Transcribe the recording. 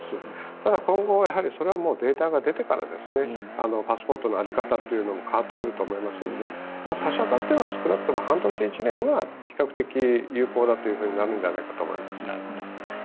ただ今後それはデータが出てからパスポートの在り方というのも変わってくると思いますので差し当たっては少なくとも半年、１年は比較的、有効だとなるんじゃないかと思います。